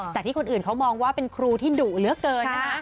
ที่คนอื่นเขามองว่าเป็นครูที่ดุเหลือเกินนะคะ